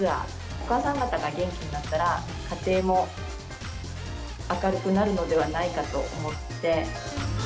お母さん方が元気になったら、家庭も明るくなるのではないかと思って。